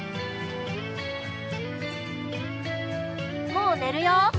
・もうねるよ。